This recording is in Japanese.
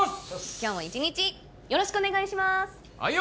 今日も一日よろしくお願いしますあいよ！